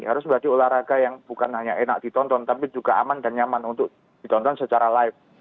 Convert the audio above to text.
harus menjadi olahraga yang bukan hanya enak ditonton tapi juga aman dan nyaman untuk ditonton secara live